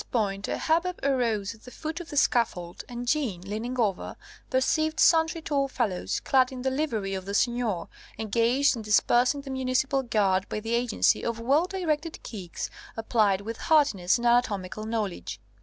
] But at this point a hubbub arose at the foot of the scaffold, and Jeanne, leaning over, perceived sundry tall fellows, clad in the livery of the Seigneur, engaged in dispersing the municipal guard by the agency of well directed kicks, applied with heartiness and anatomical knowledge.